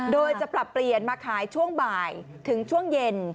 โดยจะปรับเปลี่ยนมาขายช่วงบ่ายถึงช่วงเย็น